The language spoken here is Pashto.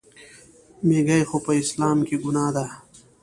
میږي خو په اسلام کې ګناه ده.